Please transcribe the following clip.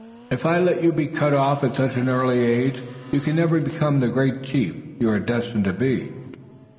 If I let you be cut off at such an early age you can never become the great chief you are destined to be.